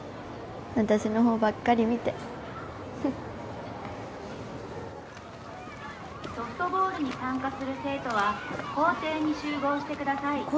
私のほうばっかり見てソフトボールに参加する生徒は校庭に集合してください